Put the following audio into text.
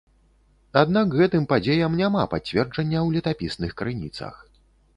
Аднак гэтым падзеям няма падцверджання ў летапісных крыніцах.